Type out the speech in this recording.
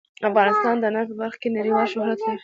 افغانستان د انار په برخه کې نړیوال شهرت لري.